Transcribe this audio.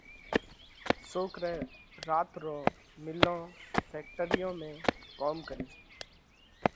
سوڪرئہ رات رو مِلون (فيڪٽريون) ۾ ڪوم ڪريو۔